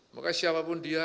maka siapapun dia